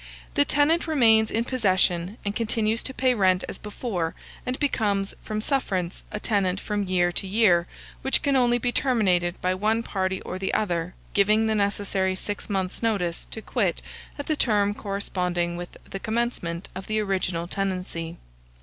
The tenant remains in possession, and continues to pay rent as before, and becomes, from sufferance, a tenant from year to year, which can only be terminated by one party or the other giving the necessary six months' notice to quit at the term corresponding with the commencement of the original tenancy.